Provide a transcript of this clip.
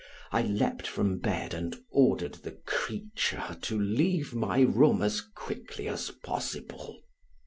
I leaped from bed and ordered the creature to leave my room as quickly as possible.